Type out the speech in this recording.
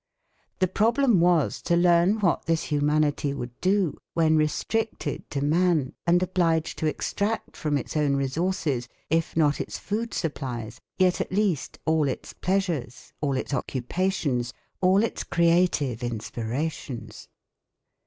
The problem was to learn what this humanity would do when restricted to man, and obliged to extract from its own resources, if not its food supplies, yet at least all its pleasures, all its occupations, all its creative inspirations.